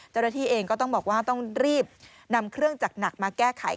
เจ้าหน้าที่เองก็ต้องบอกว่าต้องรีบนำเครื่องจักรหนักมาแก้ไข